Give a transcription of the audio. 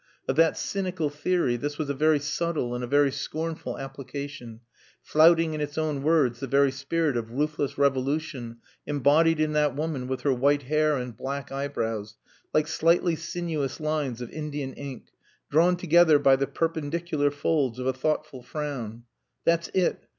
Of that cynical theory this was a very subtle and a very scornful application, flouting in its own words the very spirit of ruthless revolution, embodied in that woman with her white hair and black eyebrows, like slightly sinuous lines of Indian ink, drawn together by the perpendicular folds of a thoughtful frown. "That's it.